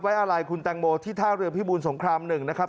ไว้อาลายคุณแตงโมที่ท่าเรือพี่บูนสงครามหนึ่งนะครับ